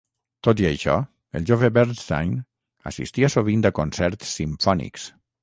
Tot i això, el jove Bernstein assistia sovint a concerts simfònics.